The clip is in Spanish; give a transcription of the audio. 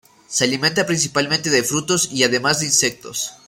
Se alimenta principalmente de frutos y además de insectos.